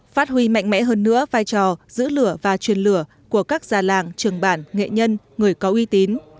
phát huy mạnh mẽ hơn nữa vai trò giữ lửa và truyền lửa của các già làng trường bản nghệ nhân người có uy tín